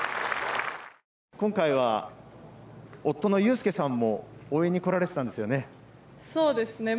今回は夫も応援に来られていたんですよね。